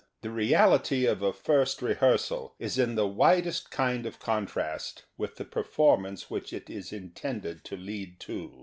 The reality of a first rehearsal is in the widest kind of contrast with the per formance which it is intended to lead to.